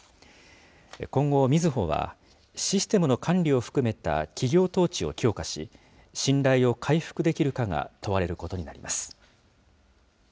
今後、みずほはシステムの管理を含めた企業統治を強化し、信頼を回復できるかが問われることになります。